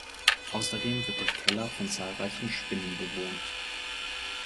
Außerdem wird der Keller von zahlreichen Spinnen bewohnt.